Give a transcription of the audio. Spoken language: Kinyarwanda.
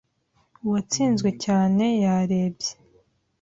Uwatsinzwe cyane yarebye